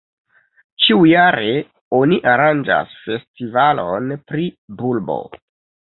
Ĉiujare oni aranĝas festivalon pri bulbo.